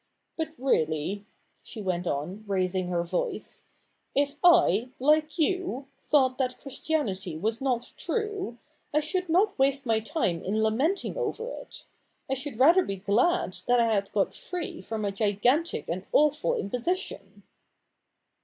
But really,' she went on, raising her voice, ' if I, like you, thought that Christianity was not true, I should not waste my time in lamenting over it. I should rather be glad that I had got free from a gigantic and awful imposition.'